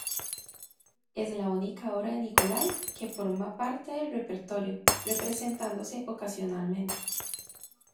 Es la única obra de Nicolai que forma parte del repertorio, representándose ocasionalmente.